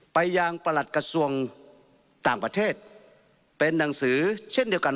ไปยังประหลัดกระทรวงต่างประเทศเป็นหนังสือเช่นเดียวกัน